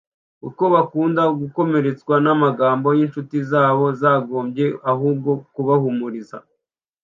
uko bakunda gukomeretswa n’amagambo y’inshuti zabo zagombye ahubwo kubahumuriza”